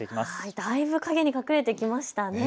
だいぶ影に隠れてきましたね。